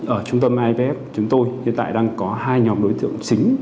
ở trung tâm ipf chúng tôi hiện tại đang có hai nhóm đối tượng chính